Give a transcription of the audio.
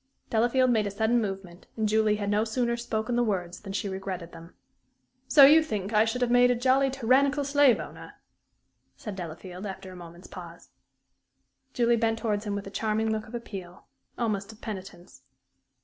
Delafield made a sudden movement, and Julie had no sooner spoken the words than she regretted them. "So you think I should have made a jolly tyrannical slave owner?" said Delafield, after a moment's pause. Julie bent towards him with a charming look of appeal almost of penitence.